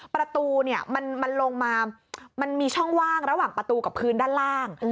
ประตูเนี่ยมันลงมามันมีช่องว่างระหว่างประตูกับพื้นด้านล่าง